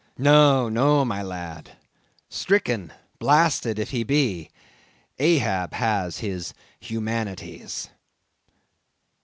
No, no, my lad; stricken, blasted, if he be, Ahab has his humanities!"